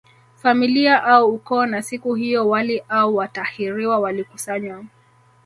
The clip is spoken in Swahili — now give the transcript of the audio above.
Familia au ukoo na siku hiyo wali au watahiriwa walikusanywa